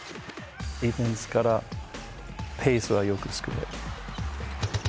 ディフェンスからペースはよく作れる。